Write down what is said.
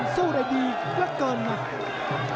สู้ได้ดีเยอะเกินมาก